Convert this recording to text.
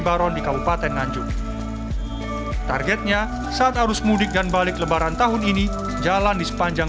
baron di kabupaten nganjuk targetnya saat arus mudik dan balik lebaran tahun ini jalan di sepanjang